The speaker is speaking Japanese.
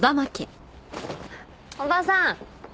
おばさん！